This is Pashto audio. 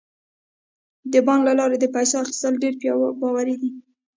د بانک له لارې د پیسو اخیستل ډیر باوري دي.